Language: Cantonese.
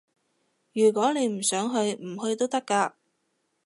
如果你唔想去，唔去都得㗎